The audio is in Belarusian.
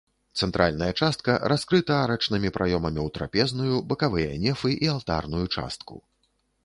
Цэнтральная частка раскрыта арачнымі праёмамі ў трапезную, бакавыя нефы і алтарную частку.